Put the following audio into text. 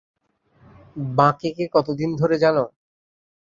বাঁকেকে কতদিন ধরে জানো?